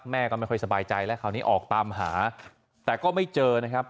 แม่ก็ไม่ค่อยสบายใจแล้วคราวนี้ออกตามหาแต่ก็ไม่เจอนะครับ